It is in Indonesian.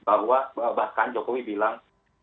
bahwa bahkan jokowi bilang